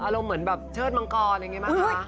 อร่องเหมือนเชิดมังกรอะไรอย่างนี้มากค่ะ